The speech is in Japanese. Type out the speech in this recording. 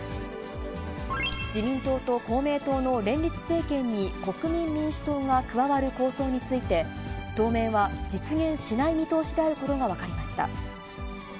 自民党と公明党の連立政権に国民民主党が加わる構想について、当面は実現しない見通しであることが分かりました。